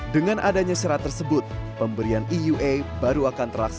dengan adanya syarat tersebut pemberian eua baru akan terlaksana